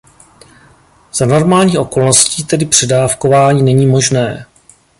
Za normálních okolností tedy předávkování není možné.